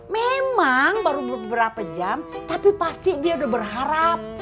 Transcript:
memang baru beberapa jam tapi pasti dia udah berharap